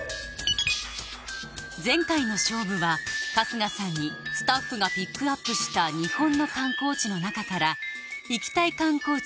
前回の勝負は春日さんにスタッフがピックアップした日本の観光地の中から行きたい観光地